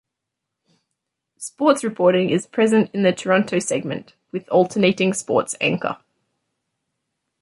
Sports reporting is present in the Toronto segment with alternating sports anchor.